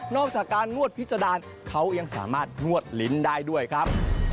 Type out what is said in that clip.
อกจากการนวดพิษดารเขายังสามารถนวดลิ้นได้ด้วยครับ